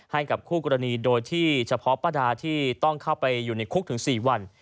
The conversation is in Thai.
ให้กับคู่กรณีโดยที่เฉพาะป้าดาที่ต้องเข้าไปอยู่ในคุกถึง๔วัน